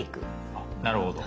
あなるほど。